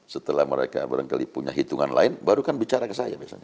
setelah mereka barangkali punya hitungan lain baru kan bicara ke saya biasanya